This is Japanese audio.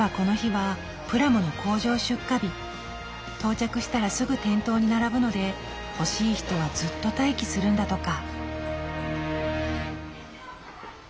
到着したらすぐ店頭に並ぶので欲しい人はずっと待機するんだとか。